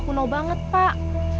pakunau banget pak